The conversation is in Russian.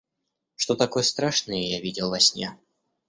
Что такое страшное я видел во сне?